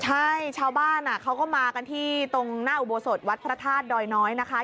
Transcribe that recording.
ใช่ชาวบ้านเขาก็มากันที่ตรงหน้าอุโบสถวัดพระธาตุดอยน้อยนะคะ